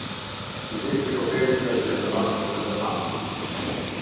Kujdesi i shoferit ndaj pjesëmarrësve të veçantë.